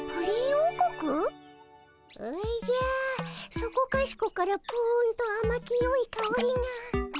おじゃそこかしこからプンとあまきよいかおりが。